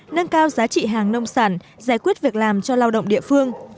nâng cao giá trị hàng nông sản giải quyết việc làm cho lao động địa phương